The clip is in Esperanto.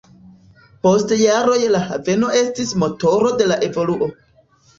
Post jaroj la haveno estis motoro de la evoluo.